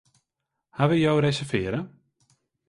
Hawwe jo reservearre?